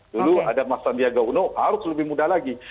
dulu ada mas sandiaga uno harus lebih muda lagi